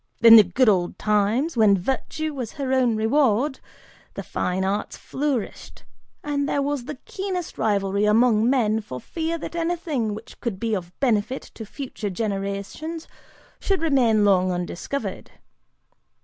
In the good old times, when virtue was her own reward, the fine arts flourished, and there was the keenest rivalry among men for fear that anything which could be of benefit to future generations should remain long undiscovered.